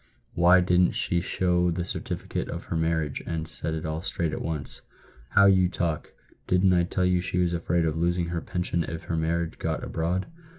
" Why didn't she show the certificate of her marriage, and set it all straight at once ?"" How you talk! Didn't I tell you she was afraid of losing her pension if her marriage got abroad